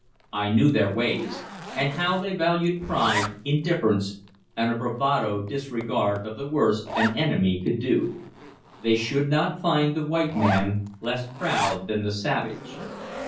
I knew their ways, and how they valued pride, indifference, and a bravado disregard of the worst an enemy could do. They should not find the white man less proud than the savage.